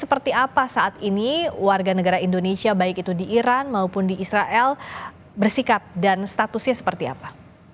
seperti apa saat ini warga negara indonesia baik itu di iran maupun di israel bersikap dan statusnya seperti apa